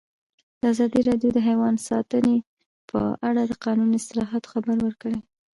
ازادي راډیو د حیوان ساتنه په اړه د قانوني اصلاحاتو خبر ورکړی.